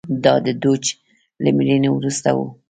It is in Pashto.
دا د دوج له مړینې وروسته و